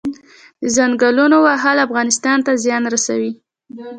د ځنګلونو وهل اقتصاد ته زیان رسوي؟